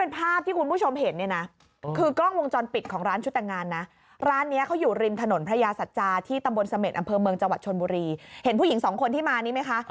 ไปดูเรื่องนี้กันหน่อยนะคะ